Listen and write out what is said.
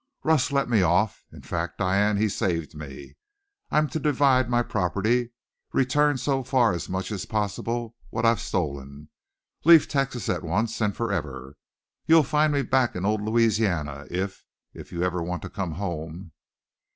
Russ let me off. In fact, Diane, he saved me. I'm to divide my property return so far as possible what I've stolen leave Texas at once and forever. You'll find me back in old Louisiana if if you ever want to come home."